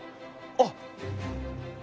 あっ。